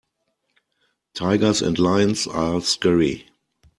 Tigers and lions are scary.